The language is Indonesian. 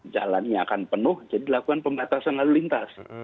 jalannya akan penuh jadi lakukan pembatasan lalu lintas